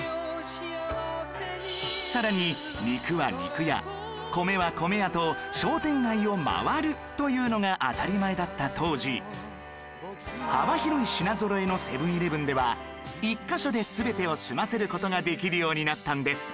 さらに肉は肉屋米は米屋と商店街を回るというのが当たり前だった当時幅広い品ぞろえのセブンーイレブンでは１カ所で全てを済ませる事ができるようになったんです